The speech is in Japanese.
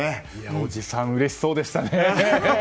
叔父さんうれしそうでしたね。